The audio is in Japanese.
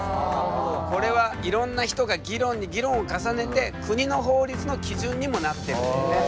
これはいろんな人が議論に議論を重ねて国の法律の基準にもなってるんだよね。